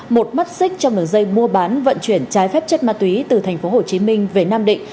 một mắt xích trong đường dây mua bán vận chuyển trái phép chất ma túy từ tp hcm về nam định